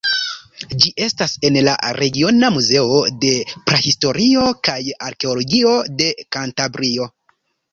Ĝi estas en la Regiona Muzeo de Prahistorio kaj Arkeologio de Kantabrio.